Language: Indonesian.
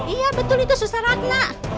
iya betul itu susteratna